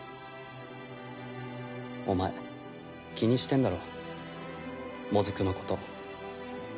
お前気にしてんだろモズクのこと。